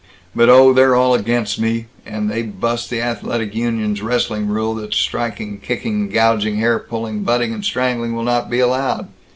But oh, they're all against me. And they bust the Athletic Union's wrestling rule that 'striking, kicking, gouging, hair pulling, butting, and strangling will not be allowed.'